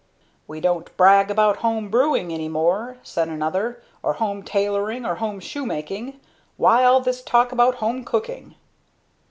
"We don't brag about 'home brewing' any more," said another, "or 'home tailoring,' or 'home shoemaking.' Why all this talk about 'home cooking'?"